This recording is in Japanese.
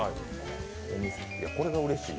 これがうれしい。